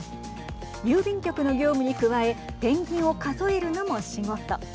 郵便局の業務に加えペンギンを数えるのも仕事。